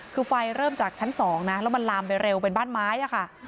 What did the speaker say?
คือไฟเริ่มจากชั้น๒นะแล้วมันลามไปเร็วเป็นบ้านไม้อะค่ะ